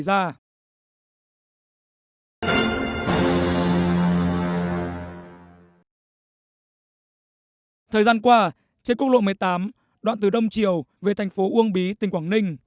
thời gian qua trên quốc lộ một mươi tám đoạn từ đông triều về thành phố uông bí tỉnh quảng ninh